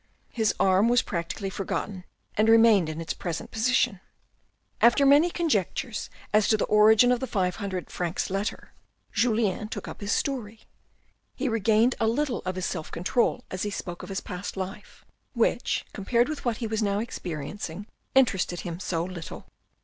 The arm was practically forgotten and remained in its present position. After many conjectures as to the origin of the five hundred francs letter, Julien took up his story. He regained a little of his self control as he spoke of his past life, which compared with what he was now experiencing interested him so little.